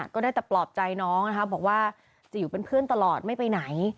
ก็ได้แต่ปลอบใจน้องนะคะบอกว่าจะอยู่เป็นเพื่อนตลอดไม่ไปไหน